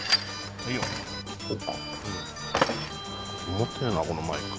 重てえなこのマイク。